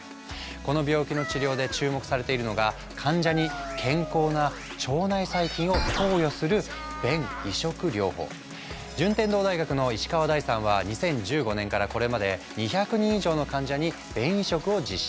この病気の治療で注目されているのが患者に健康な腸内細菌を投与する順天堂大学の石川大さんは２０１５年からこれまで２００人以上の患者に便移植を実施。